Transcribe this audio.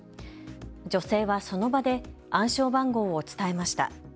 女性はその場で暗証番号を伝えました。